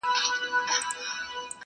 د لاس د گوتو تر منځ لاهم فرق سته.